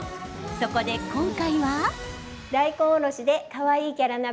そこで今回は。